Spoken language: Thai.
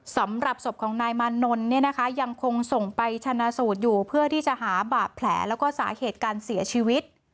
สำหรับศพของนายมานนท์เนี่ยนะคะยังคงส่งไปชนะสูตรอยู่เพื่อที่จะหาบาดแผลแล้วก็สาเหตุการเสียชีวิต